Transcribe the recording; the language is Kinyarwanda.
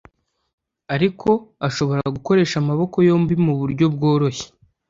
ariko ashobora gukoresha amaboko yombi mu buryo bworoshye?